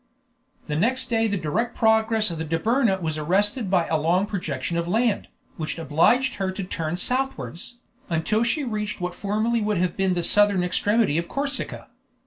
Next day the direct progress of the Dobryna was arrested by a long projection of land, which obliged her to turn southwards, until she reached what formerly would have been the southern extremity of Corsica.